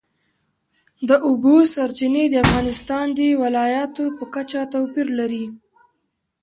د اوبو سرچینې د افغانستان د ولایاتو په کچه توپیر لري.